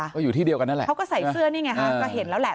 ก็อยู่ที่เดียวกันนั่นแหละเขาก็ใส่เสื้อนี่ไงฮะก็เห็นแล้วแหละ